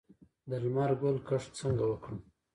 د لمر ګل کښت څنګه وکړم؟